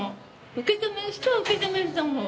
受け止める人は受け止めると思う。